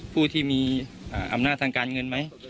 ผู้ที่มีอำนาจทางการเงินไหม